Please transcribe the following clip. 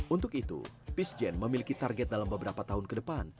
untuk itu peacegen memiliki target dalam beberapa tahun ke depan